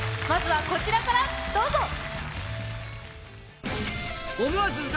まずは、こちらからどうぞ！